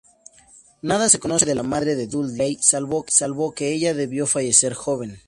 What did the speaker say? Nada se conoce de la madre de Dudley, salvo que ella debió fallecer joven.